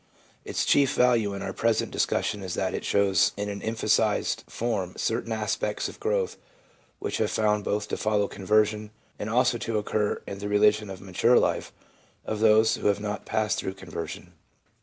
Its chief value in our present discussion is that it shows in an emphasised form certain aspects of growth which we have found both to follow conversion, and also to occur in the religion of mature life of those who have not passed through conversion.